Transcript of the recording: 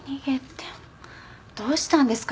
どうしたんですか？